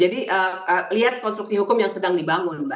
jadi lihat konstruksi hukum yang sedang dibangun